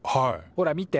ほら見て。